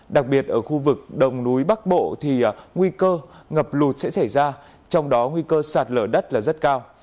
đặc biệt ở khu vực đồng núi bắc bộ thì nguy cơ ngập lụt sẽ xảy ra trong đó nguy cơ sạt lở đất là rất cao